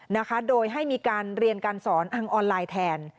นะคะโดยให้มีการเรียนการสอนอังออนไลน์แทน